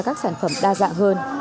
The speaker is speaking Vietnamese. đăng ra các sản phẩm đa dạng hơn